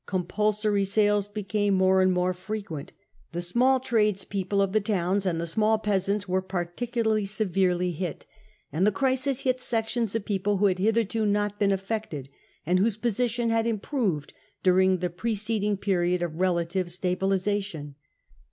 Compulsory sales became more and more frequent. The small tradespeople of the towns and the small peasants were % particularly severely hit. And the crisis hit sections of % people who had hitherto not been affected, and whose position b&d improved during the preceding period of rela tive stabilisation.